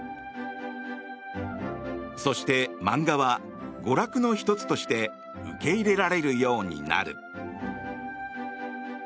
そして、漫画は娯楽の１つとして受け入れられるようになる。